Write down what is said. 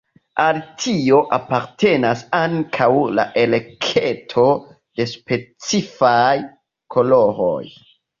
Al tio apartenas ankaŭ la elekto de specifaj koloroj.